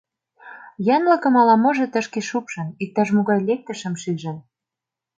Янлыкым ала-можо тышке шупшын — иктаж-могай лектышым шижын.